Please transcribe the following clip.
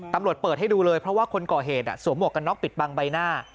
ตำรวจเปิดให้ดูเลยเพราะว่าคนก่อเหตุสวมหมวกกันน็อกปิดบังใบหน้า